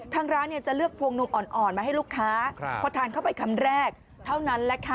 ทั้งร้านเนี่ยจะเลือกพวงนมอ่อนมาให้ลุกค้าครับขอทานเข้าไปคำแรกเท่านั้นเลยค่ะ